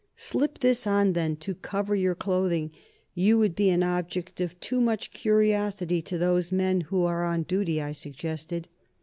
"Slip this on, then, to cover your clothing. You would be an object of too much curiosity to those men who are on duty," I suggested.